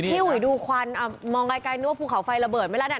อุ๋ยดูควันมองไกลนึกว่าภูเขาไฟระเบิดไหมล่ะ